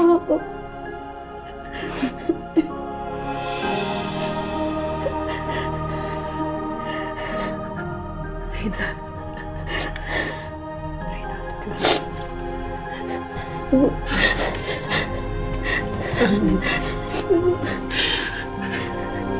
saya juga harus membantu